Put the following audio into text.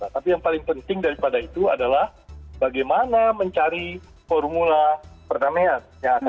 tapi yang paling penting daripada itu adalah bagaimana mencari formula perdamaian